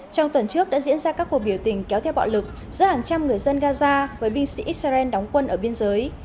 trong tuần trước đã diễn ra các cuộc biểu tình kéo theo bạo lực giữa hàng trăm người dân gaza với binh sĩ israel đóng quân ở biên giới